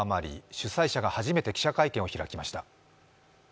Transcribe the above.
主催者が初めて記者会見を開きました。